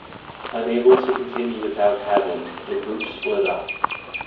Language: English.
Unable to continue without Hadden, the group split up.